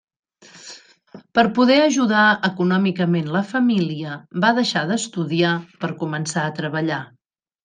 Per poder ajudar econòmicament la família, va deixar d'estudiar per començar a treballar.